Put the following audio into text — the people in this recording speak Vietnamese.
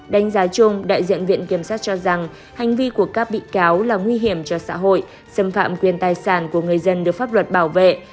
đánh giá chung đại diện viện kiểm sát cho rằng hành vi của các bị cáo là nguy hiểm cho xã hội xâm phạm quyền tài sản của người dân được pháp luật bảo vệ